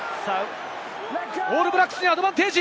オールブラックスにアドバンテージ！